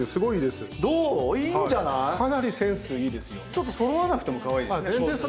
ちょっとそろわなくてもかわいいですね。